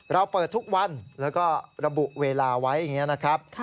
เราเปิดทุกวันแล้วก็ระบุเวลาไว้อย่างนี้นะครับ